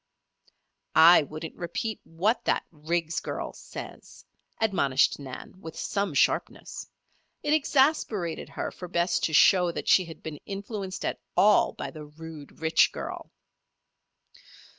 "I wouldn't repeat what that Riggs girl says," admonished Nan, with some sharpness. It exasperated her for Bess to show that she had been influenced at all by the rude rich girl.